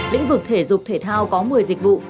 lĩnh vực thể dục thể thao có một mươi dịch vụ